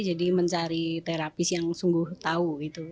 jadi mencari terapis yang sungguh tahu